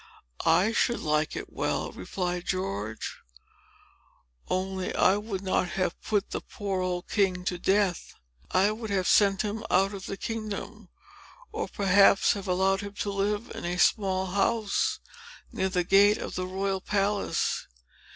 "I should like it well," replied George, "only I would not have put the poor old king to death. I would have sent him out of the kingdom, or perhaps have allowed him to live in a small house, near the gate of the royal palace.